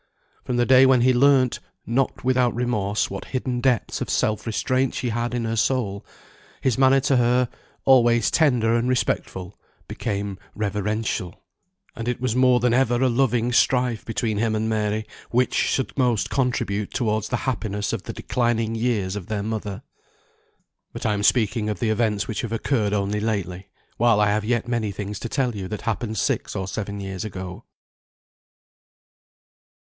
From the day when he learnt (not without remorse) what hidden depths of self restraint she had in her soul, his manner to her, always tender and respectful, became reverential; and it was more than ever a loving strife between him and Mary which should most contribute towards the happiness of the declining years of their mother. But I am speaking of the events which have occurred only lately, while I have yet many things to tell you that happened six or seven years ago.